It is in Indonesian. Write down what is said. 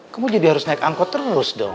kamu jadi harus naik angkot terus dong